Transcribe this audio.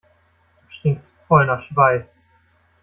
Du stinkst voll nach Schweiß.